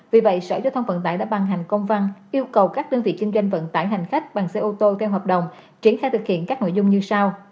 vì vậy sở giao thông vận tải đã ban hành công văn yêu cầu các đơn vị kinh doanh vận tải hành khách bằng xe ô tô theo hợp đồng triển khai thực hiện các nội dung như sau